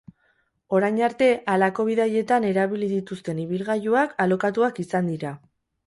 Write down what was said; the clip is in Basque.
Orain arte halako bidaietan erabili dituzten ibilgailuak alokatuak izan dira.